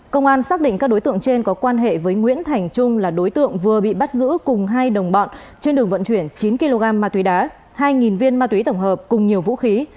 công an xác định các đối tượng trên có quan hệ với nguyễn thành trung là đối tượng vừa bị bắt giữ cùng hai đồng bọn trên đường vận chuyển chín kg ma túy đá hai viên ma túy tổng hợp cùng nhiều vũ khí